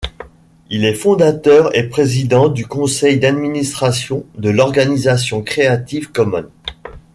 Il est fondateur et président du conseil d'administration de l'organisation Creative Commons.